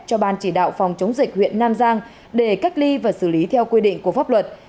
cho ban chỉ đạo phòng chống dịch huyện nam giang để cách ly và xử lý theo quy định của pháp luật